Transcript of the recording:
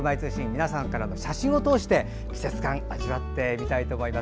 皆さんからの写真を通して季節感味わってみたいと思います。